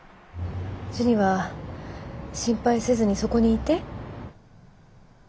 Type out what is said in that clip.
ジュニは心配せずにそこにいて。